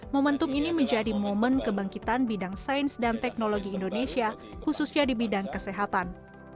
momentum ini menjadi momen kebangkitan bidang sains dan teknologi indonesia khususnya di bidang kesehatan